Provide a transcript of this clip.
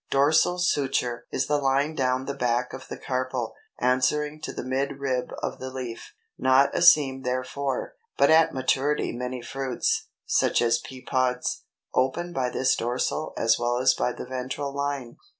DORSAL SUTURE is the line down the back of the carpel, answering to the midrib of the leaf, not a seam therefore; but at maturity many fruits, such as pea pods, open by this dorsal as well as by the ventral line.